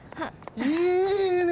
いいね！